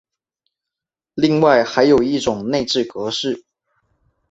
另外还有一种内置格式。